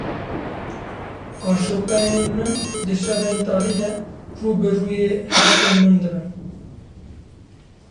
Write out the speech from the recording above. Aşopeyên min di şevên tarî de rû bi rûyê hestên min dibin.